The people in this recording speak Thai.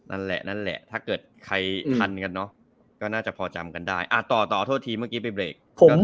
นั่นแหละนั่นแหละถ้าเกิดใครทันกันเนอะก็น่าจะพอจำกันได้ต่อโทษทีเมื่อกี้ไปเบรก